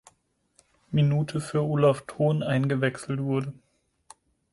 Minute für Olaf Thon eingewechselt wurde.